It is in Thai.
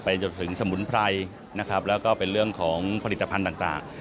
จนถึงสมุนไพรนะครับแล้วก็เป็นเรื่องของผลิตภัณฑ์ต่าง